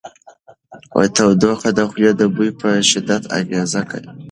تودوخه د خولې د بوی په شدت اغېز کوي.